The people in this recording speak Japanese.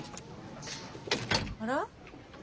あら？